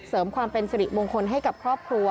เสริมความเป็นสิริมงคลให้กับครอบครัว